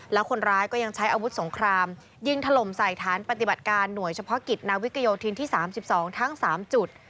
แล้วคนร้ายก็ยังใช้อาวุธสงครามยิงถล่มใส่ฐานปฏิบัติการหน่วยเฉพาะกิจนาวิกโยธินที่๓๒ทั้ง๓จุด